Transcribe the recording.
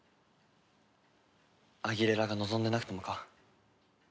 アギレラが望んでなくてもか？